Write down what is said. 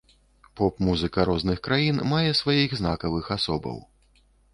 Поп-музыка розных краін мае сваіх знакавых асобаў.